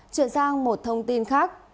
chuyển sang một thông tin khác